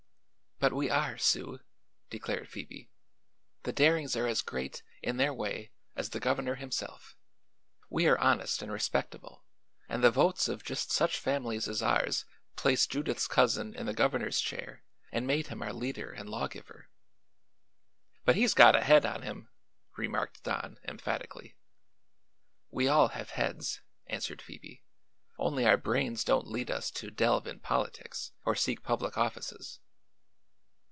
"But we are, Sue," declared Phoebe. "The Darings are as great, in their way, as the governor himself. We are honest and respectable, and the votes of just such families as ours placed Judith's cousin in the governor's chair and made him our leader and lawgiver." "But he's got a head on him," remarked Don emphatically. "We all have heads," answered Phoebe; "only our brains don't lead us to delve in politics or seek public offices."